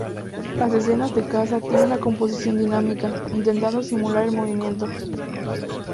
Las escenas de caza tienen una composición dinámica, intentando simular el movimiento.